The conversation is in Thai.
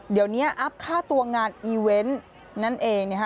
เดี๋ยวนี้อัพค่าตัวงานอีเวนต์นั่นเองนะฮะ